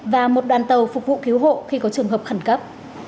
và một đoàn tàu phục vụ cứu hộ khi có trường hợp khẩn cấp